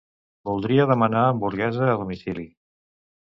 Voldria demanar hamburguesa a domicili.